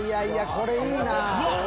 これいいなぁ。